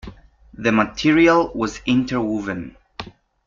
The material was interwoven.